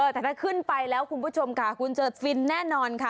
แต่ถ้าขึ้นไปแล้วคุณผู้ชมค่ะคุณจะฟินแน่นอนค่ะ